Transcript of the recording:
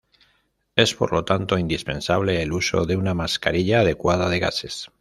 Es por lo tanto indispensable el uso de una mascarilla adecuada de gases.